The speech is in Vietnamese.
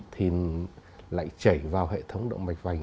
thì lại chảy vào hệ thống động mạch vành